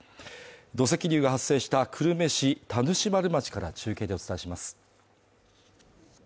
土石流が発生した久留米市田主丸町から中継でお伝えします。